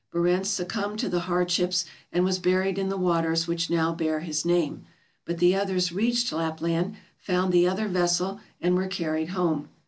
Barentz succumbed to the hardships and was buried in the waters which now bear his name, but the others reached Lapland, found the other vessel, and were carried home.